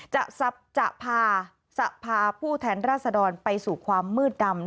จะพาสภาผู้แทนราษดรไปสู่ความมืดดำ